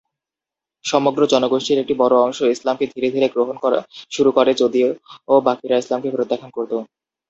সমগ্র জনগোষ্ঠীর একটা বড়ো অংশ ইসলামকে ধীরে ধীরে গ্রহণ শুরু করে, যদিও বাকিরা ইসলামকে প্রত্যাখ্যান করতো।